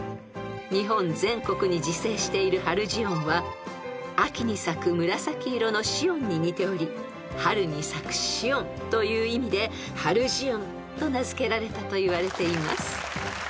［日本全国に自生しているハルジオンは秋に咲く紫色のシオンに似ており「春に咲くシオン」という意味でハルジオンと名付けられたといわれています］